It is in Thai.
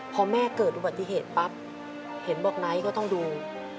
พอแม่เกิดอุบัติเหตุปั๊บเห็นบอกไนท์ก็ต้องดู